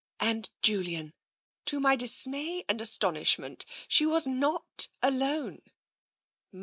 " And, Julian, to my dismay and astonishment, she was not alone.